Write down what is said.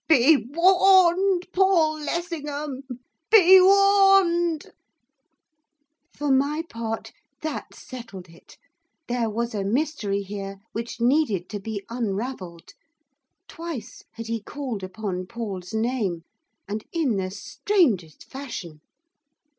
'Be warned, Paul Lessingham be warned!' For my part, that settled it. There was a mystery here which needed to be unravelled. Twice had he called upon Paul's name, and in the strangest fashion!